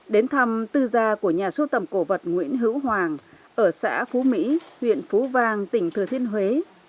đến thăm tư gia của nhà sưu tầm cổ vật nguyễn hữu hoàng ở xã phú mỹ huyện phú vàng tỉnh thừa thiên huế